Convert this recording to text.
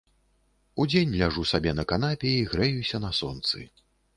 Удзень ляжу сабе на канапе і грэюся на сонцы.